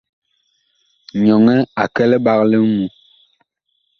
Nyɔnɛ a kɛ liɓag li ŋmu.